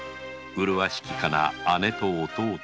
麗しきかな姉と弟